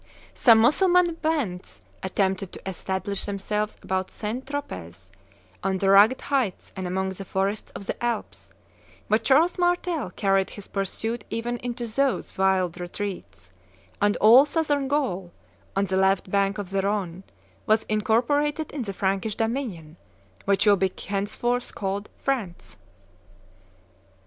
Some Mussulman bands attempted to establish themselves about St. Tropez, on the rugged heights and among the forests of the Alps; but Charles Martel carried his pursuit even into those wild retreats, and all Southern Gaul, on the left bank of the Rhone, was incorporated in the Frankish dominion, which will be henceforth called France.